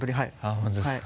本当ですか。